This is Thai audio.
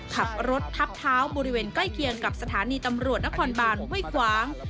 ขับรถทับเท้าบริเวณใกล้เคียงกับสถานีตำรวจนครบานห้วยขวาง